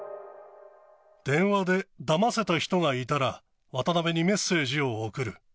電話でだませた人がいたら渡辺にメッセージを送る。